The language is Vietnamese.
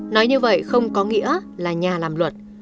nói như vậy không có nghĩa là nhà làm luật